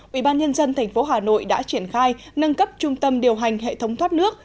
ubnd tp hà nội đã triển khai nâng cấp trung tâm điều hành hệ thống thoát nước